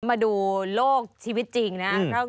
มาดูโลกชีวิตจริงนะครับ